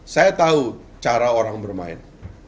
saya tahu cara orang bermain